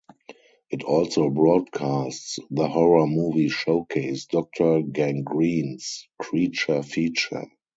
It also broadcasts the horror movie showcase "Doctor Gangrene's Creature Feature".